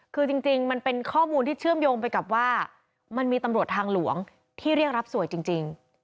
คือจริงมันเป็นข้อมูลที่เชื่อมโยงไปกับว่ามันมีตำรวจทางหลวงที่เรียกรับสวยจริง